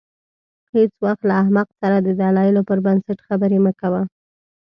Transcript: هېڅ وخت له احمق سره د دلایلو پر بنسټ خبرې مه کوه.